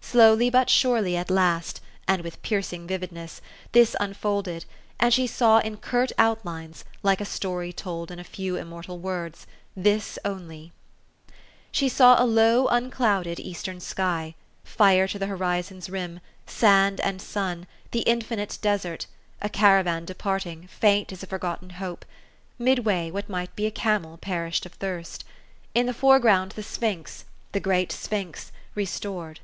Slowly but surely at last, and with piercing vividness, this unfolded, and she saw in curt out lines, like a story told in a few immortal words, this only : She saw a low, unclouded Eastern sky ; fire to the horizon's rim ; sand and sun ; the infinite desert ; a caravan departing, faint as a forgotten hope ; mid way, what might be a camel perished of thirst. In the foreground the sphinx, the great sphinx, re stored.